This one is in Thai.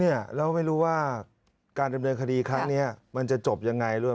แล้วไม่รู้ว่าการดำเนินคดีครั้งนี้มันจะจบยังไงด้วย